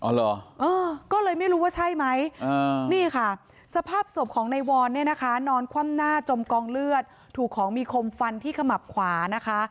ก็เลยไม่รู้ว่าใช่ไหมนี่ค่ะสภาพศพของในวอนเนี่ยนะคะนอนคว่ำหน้าจมกองเลือดถูกของมีคมฟันที่ขมับขวานะคะ